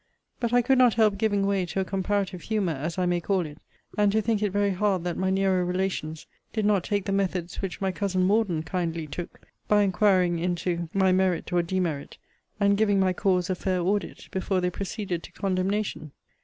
But I could not help giving way to a comparative humour, as I may call it, and to think it very hard that my nearer relations did not take the methods which my cousin Morden kindly took, by inquiring into my merit or demerit, and giving my cause a fair audit before they proceeded to condemnation.